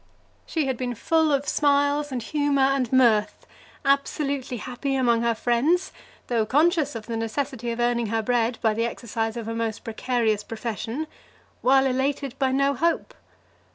She had been full of smiles, and humour, and mirth, absolutely happy among her friends, though conscious of the necessity of earning her bread by the exercise of a most precarious profession, while elated by no hope.